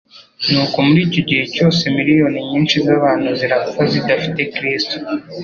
Nuko muri icyo gihe cyose miliyoni nyinshi z'abantu zirapfa zidafite Kristo.